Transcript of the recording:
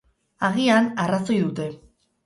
Agian, arrazoi dute.